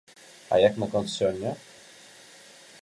А як наконт сёння?